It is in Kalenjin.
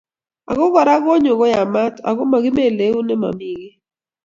ako kora konyu koyamat ako makimelei keut nememi kiy